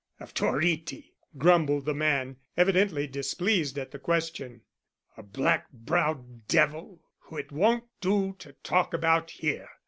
"Of Toritti," grumbled the man, evidently displeased at the question. "A black browed devil who it won't do to talk about here.